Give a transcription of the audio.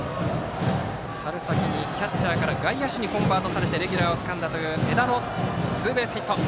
春先にキャッチャーから外野手にコンバートされてレギュラーをつかんだという江田のツーベースヒット。